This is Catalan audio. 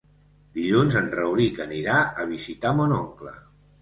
Dilluns en Rauric anirà a visitar mon oncle.